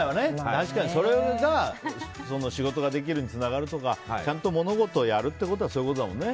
確かに、それが仕事ができるにつながるとかちゃんと物事をやるとかっていうのはそういうことだもんね。